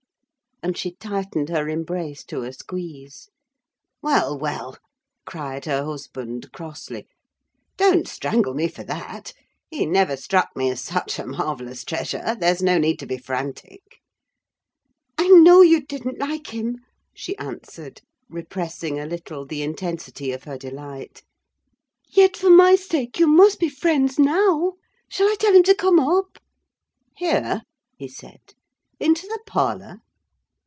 And she tightened her embrace to a squeeze. "Well, well," cried her husband, crossly, "don't strangle me for that! He never struck me as such a marvellous treasure. There is no need to be frantic!" "I know you didn't like him," she answered, repressing a little the intensity of her delight. "Yet, for my sake, you must be friends now. Shall I tell him to come up?" "Here," he said, "into the parlour?"